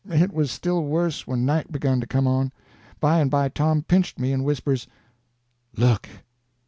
It was still worse when night begun to come on. By and by Tom pinched me and whispers: "Look!"